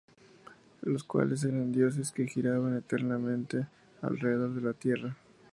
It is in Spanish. Los cuales eran dioses que giraban eternamente alrededor de la Tierra.